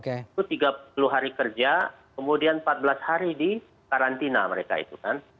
itu tiga puluh hari kerja kemudian empat belas hari di karantina mereka itu kan